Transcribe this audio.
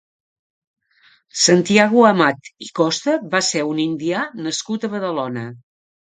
Santiago Amat i Costa va ser un indià nascut a Badalona.